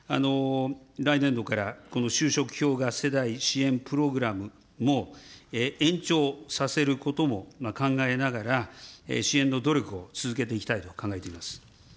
来年度からこの就職氷河期世代支援プログラムも延長させることも考えながら、支援の努力を続けていきたいと考えています。